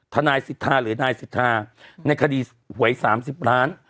ทนายสิทธาหรือนายสิทธาในคดีหวย๓๐ล้าน